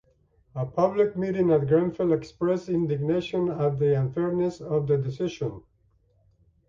A public meeting at Grenfell expressed indignation at the unfairness of the decision.